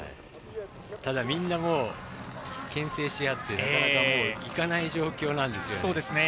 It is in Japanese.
ただ、みんな、けん制しあってなかなか、いかない状況なんです。